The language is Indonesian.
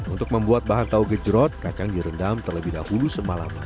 untuk membuat bahan tahu gejrot kacang direndam terlebih dahulu semalam